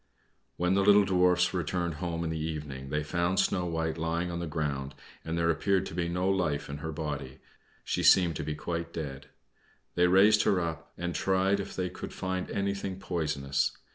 When the little Dwarfs returned home in the evening they found Snow White lying on the ground, and there appeared to be no life in her body; she seemed to be quite dead. They raised her up, and tried if they could find anything poisonous.